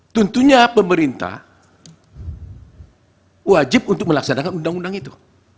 tentunya pemerintah wajib untuk melaksanakan undang undang itu